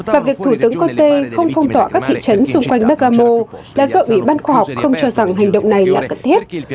và việc thủ tướng conte không phong tỏa các thị trấn xung quanh megamo là do ủy ban khoa học không cho rằng hành động này là cần thiết